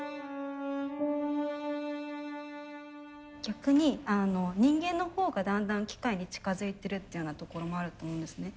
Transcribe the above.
逆に人間のほうがだんだん機械に近づいてるっていうようなところもあると思うんですね。